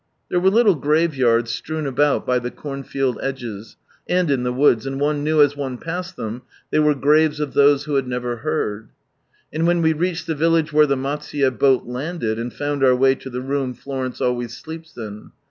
There were little graveyards strewn ahout hy the cornfield edges, and in the woods ; and one knew as ore passed them, they were graves of those who had never heard. And then we reached the village where the Maisuye boat landed, and found our way to the room Florence always sleeps in.